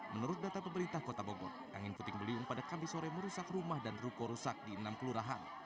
menurut data pemerintah kota bogor angin puting beliung pada kamis sore merusak rumah dan ruko rusak di enam kelurahan